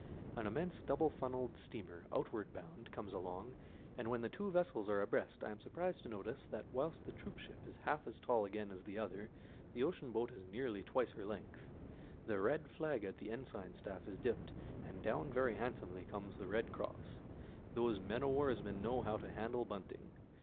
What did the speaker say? An immense double funnelled steamer outward bound comes along, and when the two vessels are abreast I am surprised to notice that whilst the troopship is half as tall again as the other, the ocean boat is nearly twice her length. The red flag at the ensign staff is dipped, and down very handsomely comes the red cross. Those men o' warsmen know how to handle bunting.